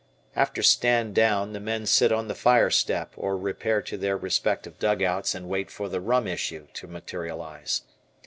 After "stand down" the men sit on the fire step or repair to their respective dugouts and wait for the "rum issue" to materialize.